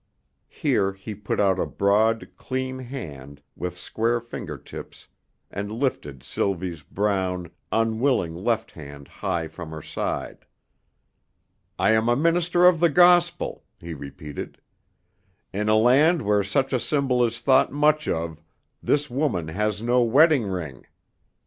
Here he put out a broad, clean hand with square finger tips and lifted Sylvie's brown, unwilling left hand high from her side. "I am a minister of the gospel," he repeated. "In a land where such a symbol is thought much of, this woman has no wedding ring.